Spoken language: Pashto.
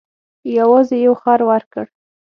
یوازې یو خر ورکړ.